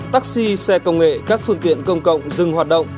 taxi xe công nghệ các phương tiện công cộng dừng hoạt động